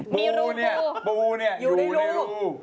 ปู่เนี่ยอยู่ในรู